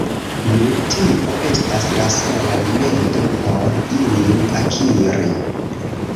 Nu, tio estas la sola rimedo por ilin akiri.